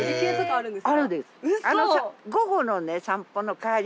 あるんです。